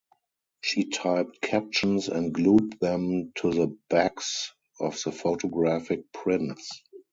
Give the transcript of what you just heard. She typed captions and glued them to the backs of the photographic prints.